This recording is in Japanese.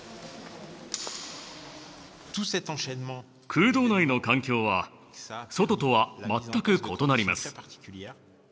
空洞内の環境は外とは全く異なります。